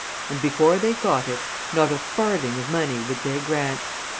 and before they got it, not a farthing of money would they grant.